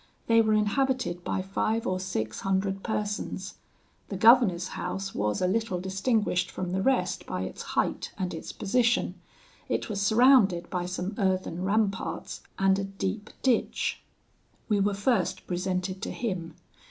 They were inhabited by five or six hundred persons. The governor's house was a little distinguished from the rest by its height and its position. It was surrounded by some earthen ramparts, and a deep ditch. "We were first presented to him.